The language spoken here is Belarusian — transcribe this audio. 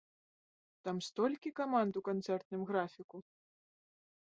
Там столькі каманд у канцэртным графіку!